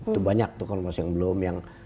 itu banyak tuh konglomerasi yang belum